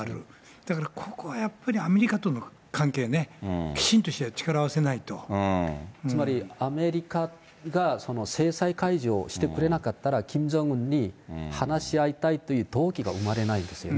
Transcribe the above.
だからここはやっぱり、アメリカとの関係ね、きちんとして、力合つまり、アメリカが制裁解除をしてくれなかったら、キム・ジョンウンに、話し合いたいという動機が生まれないんですよね。